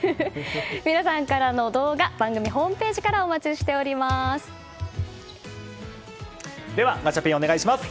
皆さんからの動画番組ホームページからではガチャピンお願いします。